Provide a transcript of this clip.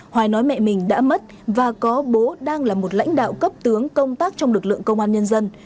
hoài nói mẹ mình đã mất và có bố đang là một lãnh đạo cấp tướng công tác trong lực lượng công an nhân dân